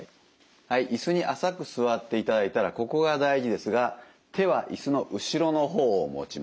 はい椅子に浅く座っていただいたらここが大事ですが手は椅子の後ろの方を持ちます。